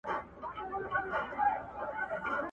یو دوکان ته یې موټرسایکل ودراوه